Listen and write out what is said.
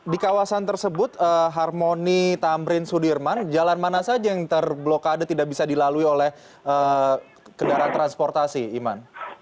di kawasan tersebut harmoni tamrin sudirman jalan mana saja yang terblokade tidak bisa dilalui oleh kendaraan transportasi iman